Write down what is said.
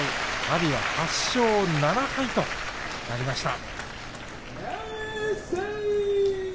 阿炎は８勝７敗となりました。